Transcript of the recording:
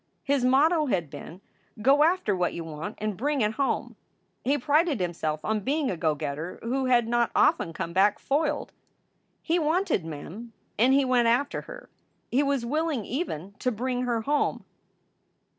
His motto had been, "Go after what you want, and bring it home!" He prided himself on being a go getter who had not often come back foiled. He wanted Mem and he went after her. He was willing even to bring her home.